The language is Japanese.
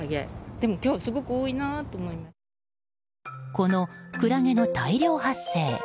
このクラゲの大量発生。